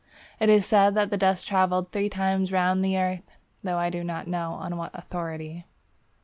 It is said that the dust travelled three times round the earth, though I do not know on what authority.